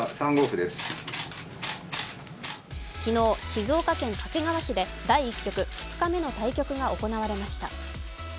昨日、静岡県掛川市で第１局２日目の対局が行われました。